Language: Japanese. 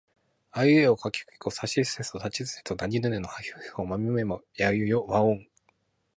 あいうえおかきくけこさしすせそたちつてとなにぬねのはひふへほまみむめもやゆよわをん